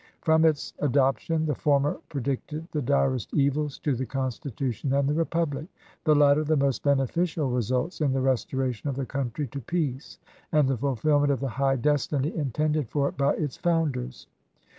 From its adop tion the former predicted the direst evils to the Constitution and the Republic ; the latter the most beneficial results in the restoration of the country to peace and the fulfillment of the high destiny intended for it by its founders.